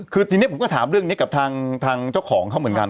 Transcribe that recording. คือทีนี้ผมก็ถามเรื่องนี้กับทางเจ้าของเขาเหมือนกัน